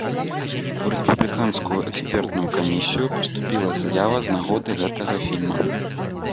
У рэспубліканскую экспертную камісію паступіла заява з нагоды гэтага фільма.